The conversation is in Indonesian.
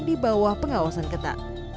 di bawah pengawasan kita